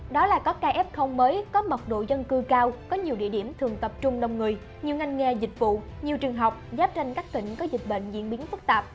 đó là có caf mới có mật độ dân cư cao có nhiều địa điểm thường tập trung đông người nhiều ngành nghề dịch vụ nhiều trường học giáp tranh các tỉnh có dịch bệnh diễn biến phức tạp